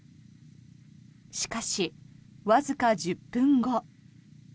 しかし、わずか１０分後。